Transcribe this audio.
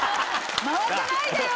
回さないでよ！